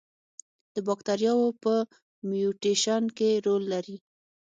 د باکتریاوو په میوټیشن کې رول لري.